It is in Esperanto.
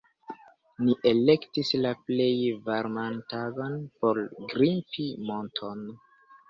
Ni elektis la plej varman tagon por grimpi monton